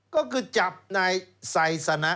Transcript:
ก็คือจับในไสสนะ